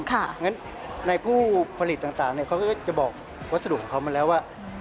เพราะฉะนั้นในผู้ผลิตต่างเขาก็จะบอกวัสดุของเขามาแล้วว่า